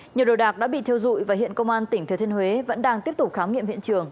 nhiều đồ đạc đã bị thiêu dụi và hiện công an tỉnh thừa thiên huế vẫn đang tiếp tục khám nghiệm hiện trường